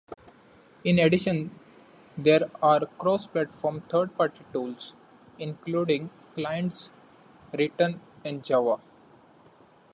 In addition, there are cross-platform third-party tools, including clients written in Java.